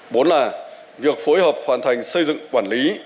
bốn là việc phối hợp hoàn thành xây dựng quản lý